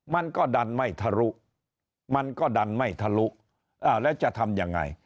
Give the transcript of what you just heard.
มันก็ดันไม่ทะลุมันก็ดันไม่ทะลุแล้วจะทำยังไง